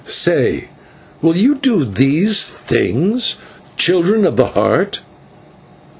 Say, will you do these things, children of the Heart?"